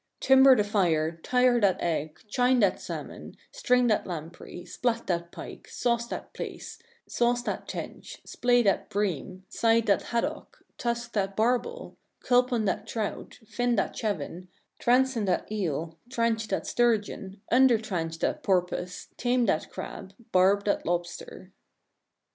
"Timber the fire, tire that egg, chine that salmon, string "that lamprey, splat that pike, sauce that plaice, sauce that "tench, splay that bream, side that haddock, tusk that barbel, "culpon that trout, fin that chevin, transon that eel, tranch "that sturgeon, undertranch that porpus, tame that crab, "barb that lobster."